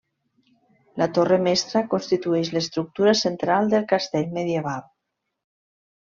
La torre mestra constitueix l'estructura central del castell medieval.